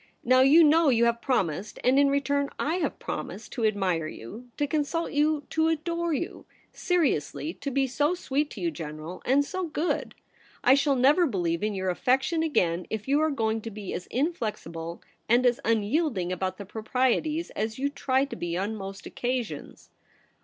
Now you know you have promised ; and in return / have promised — to admire you — to consult you — to adore you — seriously, to be so sweet to you, General, and so good ! I shall never believe in your affection again if you are going to be as inflexible and as un yielding about the proprieties as you try to be on most occasions.'